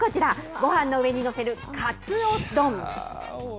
ごはんの上に載せるかつお丼。